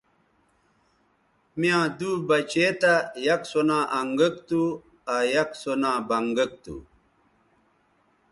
می یاں دُو بچے تھا یک سو نا انگک تھو آ یک سو نا بنگک تھو